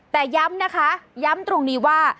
แต่ย้ำนะคะย้ำตรงนี้ว่า